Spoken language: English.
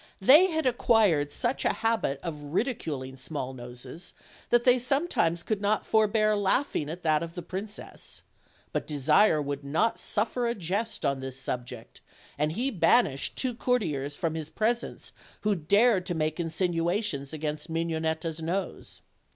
They had acquired such a habit of ridiculing small noses that they sometimes could not forbear laugh ing at that of the princess; but Desire would not suffer a jest on this subject, and he banished two courtiers from his presence who dared to make insinuations against Mignonetta's nose.